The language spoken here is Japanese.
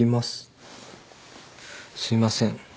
すいません